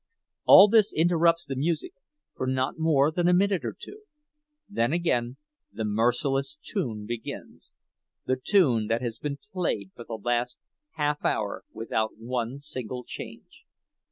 All this interrupts the music for not more than a minute or two. Then again the merciless tune begins—the tune that has been played for the last half hour without one single change.